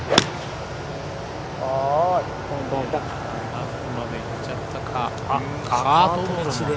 ラフまで行っちゃったか。